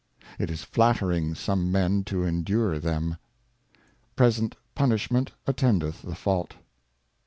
It is flattering some Men to endure them. Present Punishment attendeth the Fault.